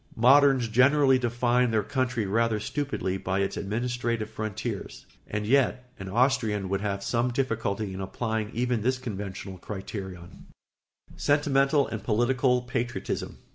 Moderns generally define their country rather stupidly by its administrative frontiers; and yet an Austrian would have some difficulty in applying even this conventional criterion. [Sidenote: Sentimental and political patriotism.